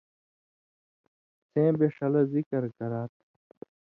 سیں بے ݜلہ ذکر کرا تھہ۔